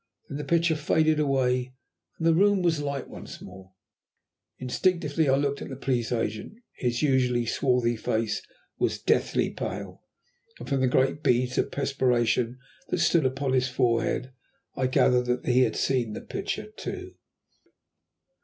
Then the picture faded away and the room was light once more. Instinctively I looked at the Police Agent. His usually swarthy face was deathly pale, and from the great beads of perspiration that stood upon his forehead, I gathered that he had seen the picture too.